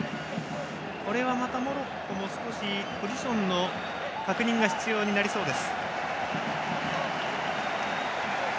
これは、またモロッコもポジションの確認が必要になりそうです。